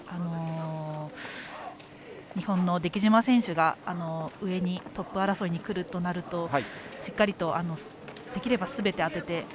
日本の出来島選手が上にトップ争いにくるとなるとしっかりとできればすべて当てて。